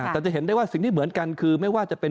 แต่จะเห็นได้ว่าสิ่งที่เหมือนกันคือ